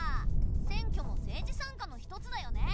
選挙も政治参加の一つだよね。